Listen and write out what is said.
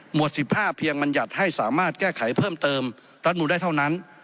วด๑๕เพียงบรรยัติให้สามารถแก้ไขเพิ่มเติมรัฐมนูลได้เท่านั้น